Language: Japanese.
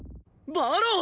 馬狼！